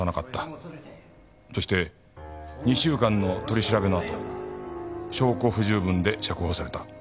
そして２週間の取り調べのあと証拠不十分で釈放された。